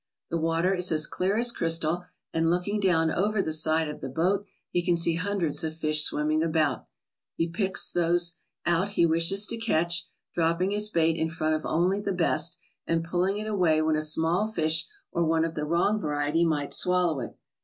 The water is as clear as crystal, and looking down over the side of the boat he can see hundreds of fish swimming about. He picks out those he wishes to catch, dropping his bait in front of only the best, and pulling it away when a small fish or one of the wrong variety might swallow it.